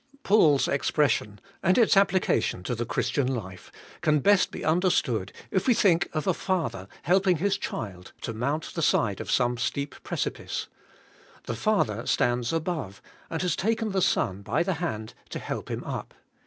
Paul's expression, and its application to the Chris tian life, can be best understood if we think of a father helping his child to mount the side of some steep precipice. The father stands above, and has taken the son by the hand to help him up.